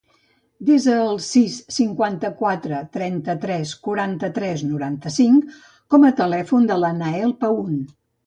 Desa el sis, cinquanta-quatre, trenta-tres, quaranta-tres, noranta-cinc com a telèfon del Nael Paun.